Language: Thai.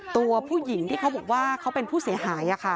ตัวผู้หญิงที่เขาบอกว่าเขาเป็นผู้เสียหาย